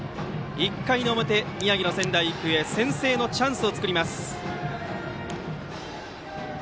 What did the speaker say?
１回の表、宮城の仙台育英先制のチャンスを作ります。